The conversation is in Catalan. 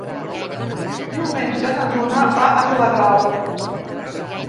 Diumenge na Duna va a Viladrau.